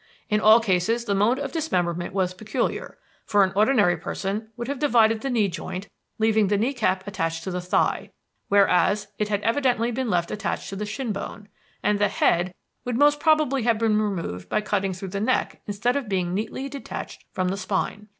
In all cases the mode of dismemberment was peculiar; for an ordinary person would have divided the knee joint leaving the knee cap attached to the thigh, whereas it had evidently been left attached to the shinbone; and the head would most probably have been removed by cutting through the neck instead of being neatly detached from the spine.